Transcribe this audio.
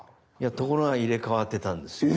ところが入れ替わってたんですよ。